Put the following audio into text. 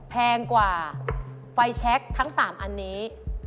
แพงกว่าไฟแชคทั้ง๓อันนี้